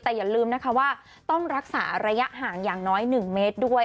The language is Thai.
แต่อย่าลืมนะคะว่าต้องรักษาระยะห่างอย่างน้อย๑เมตรด้วย